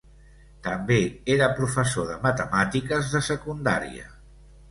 També era professor de matemàtiques de secundària.